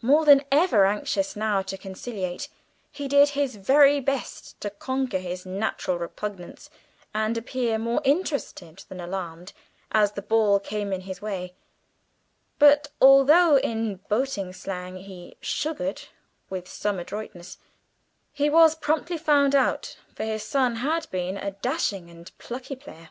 More than ever anxious now to conciliate, he did his very best to conquer his natural repugnance and appear more interested than alarmed as the ball came in his way; but although (in boating slang) he "sugared" with some adroitness, he was promptly found out, for his son had been a dashing and plucky player.